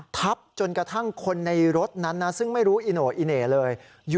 ทับจนกระทั่งคนในรถนั้นนะซึ่งไม่รู้อิโน่อีเหน่เลย